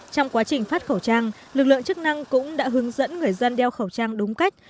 trong quá trình phát khẩu trang lực lượng chức năng cũng đã hướng dẫn người dân đeo khẩu trang đúng cách